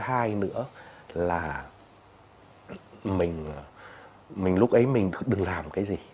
hai nữa là mình lúc ấy mình đừng làm cái gì